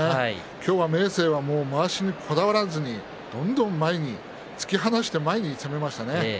今日は明生はまわしにこだわらずにどんどん前に突き放して前に攻めましたね。